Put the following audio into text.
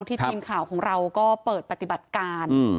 ทีมข่าวของเราก็เปิดปฏิบัติการ